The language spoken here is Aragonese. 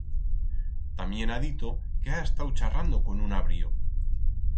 Tamién ha dito que ha estau charrando con un abrío.